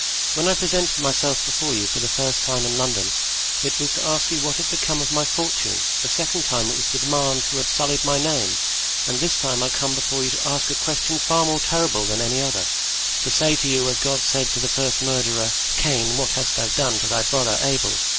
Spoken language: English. "When I presented myself before you for the first time in London, it was to ask you what had become of my fortune; the second time it was to demand who had sullied my name; and this time I come before you to ask a question far more terrible than any other, to say to you as God said to the first murderer: 'Cain, what hast thou done to thy brother Abel?